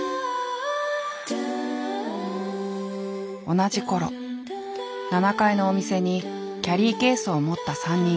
同じころ７階のお店にキャリーケースを持った３人組。